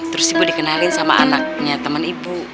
terus ibu dikenali sama anak punya teman ibu